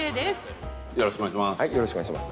よろしくお願いします。